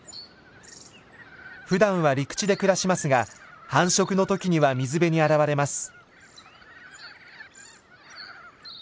ふだんは陸地で暮らしますが繁殖の時には水辺に現れます。